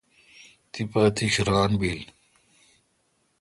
تیپہ اتیش ران بل۔